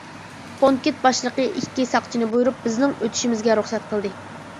پونكىت باشلىقى ئىككى ساقچىنى بۇيرۇپ، بىزنىڭ ئۆتۈشىمىزگە رۇخسەت قىلدى.